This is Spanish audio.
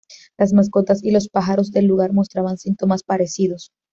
Las mascotas y los pájaros del lugar mostraban síntomas parecidos.